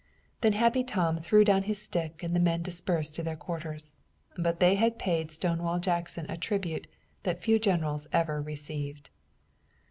Then Happy Tom threw down his stick and the men dispersed to their quarters. But they had paid Stonewall Jackson a tribute that few generals ever received.